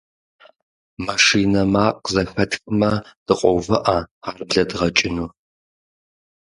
Машинэ макъ зэхэтхамэ, дыкъоувыӀэ, ар блэдгъэкӀыну.